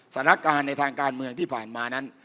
สถานการณ์ในทางการเมืองที่ผ่านมานั้น